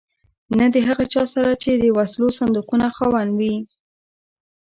نه د هغه چا سره چې د وسلو صندوقونو خاوند وي.